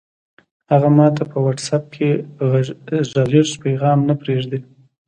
هغه ماته په وټس اپ کې غږیز پیغام نه پرېږدي!